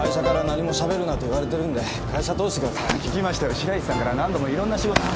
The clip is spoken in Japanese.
白石さんから何度もいろんな仕事を。